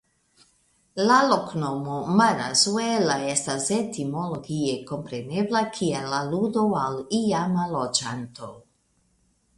La loknomo "Marazuela" estas etimologie komprenebla kiel aludo al iama loĝanto.